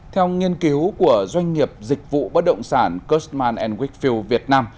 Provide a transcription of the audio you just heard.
theo nghiên cứu của doanh nghiệp dịch vụ bất động sản custman wakefield việt nam